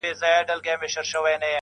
له کوچۍ پېغلي سره نه ځي د کېږدۍ سندري!.